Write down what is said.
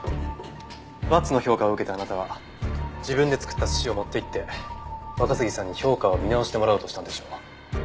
バツの評価を受けたあなたは自分で作った寿司を持っていって若杉さんに評価を見直してもらおうとしたんでしょう。